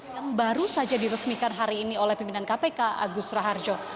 yang baru saja diresmikan hari ini oleh pimpinan kpk agus raharjo